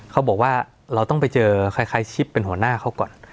เขาบอกว่าเราต้องไปเจอใครชิปเป็นหัวหน้าเขาก่อน